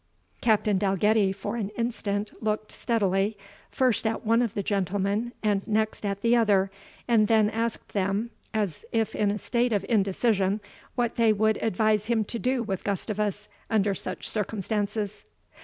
Captain Dalgetty for an instant looked steadily, first at one of the gentlemen and next at the other, and then asked them, as if in a state of indecision, what they would advise him to do with Gustavus under such circumstances.